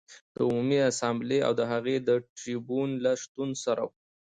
د عمومي اسامبلې او د هغې د ټربیون له شتون سره و